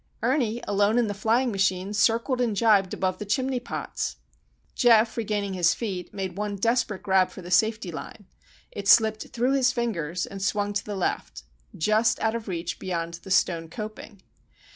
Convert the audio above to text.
Ernie, alone in the flying machine, circled and jibed above the chimney pots! Geof, regaining his feet, made one desperate grab for the safety line. It slipped through his fingers, and swung to the left,—just out of reach beyond the stone coping.